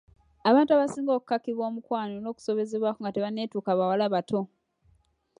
Abantu abasinga okukakibwa omukwana n'okusobezebwako nga tebanneetuuka bawala bato.